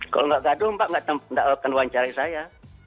kalau tidak gaduh mbak tidak akan wawancarai saya